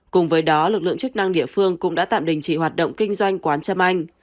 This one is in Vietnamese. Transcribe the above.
cùng với đó lực lượng chức năng địa phương cũng đã tạm đình chỉ hoạt động kinh doanh quán trâm anh